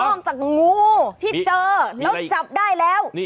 ออกจากงูที่เจอแล้วจับได้แล้ว